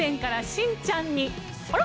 しんちゃん